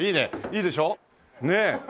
いいでしょ？ねえ。